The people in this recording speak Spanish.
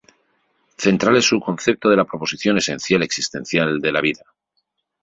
Central es su concepto del propósito esencial existencial de la vida.